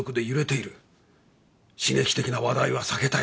刺激的な話題は避けたいし。